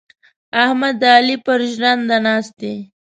احمد د علي پر ژرنده ناست دی.